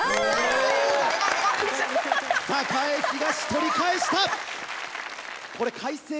栄東取り返した！